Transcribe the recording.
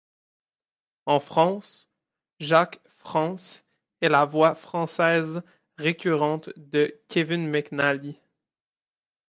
En France, Jacques Frantz est la voix française récurrente de Kevin McNally.